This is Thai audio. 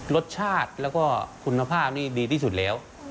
รสชาติแล้วก็คุณภาพนี่ดีที่สุดแล้ว